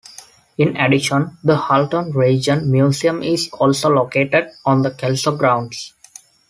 In addition, the Halton Region Museum is also located on the Kelso grounds.